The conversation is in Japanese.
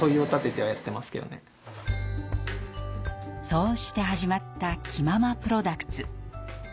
そうして始まった「キママプロダクツ」。